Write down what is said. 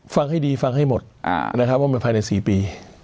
ฟังให้ดีฟังให้หมดนะครับว่ามันภายใน๔ปี